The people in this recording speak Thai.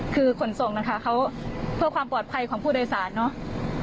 คือขนส่งนะคะเขาเพื่อความปลอดภัยของผู้โดยสารเนอะ